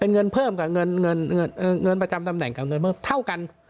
เงินเพิ่มกับเงินเงินประจำตำแหน่งกับเงินเพิ่มเท่ากัน